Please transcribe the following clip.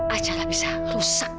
ajaran bisa rusak